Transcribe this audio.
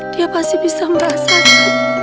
dia pasti bisa merasakan